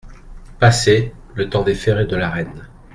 Passé, le temps des ferrets de la reine.